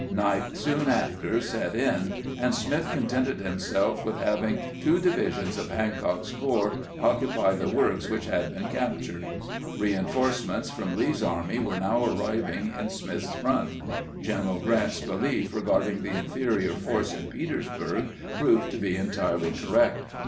Night soon after set in, and Smith contented himself with having two divisions of Hancock's corps occupy the works which had been cap tured. Reinforcements from Lee's army were now arriving in Smith's front. Greneral Grant's belief re garding the inferior force in Petersburg proved to be entirely correct.